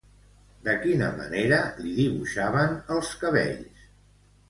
De quina manera li dibuixaven els cabells?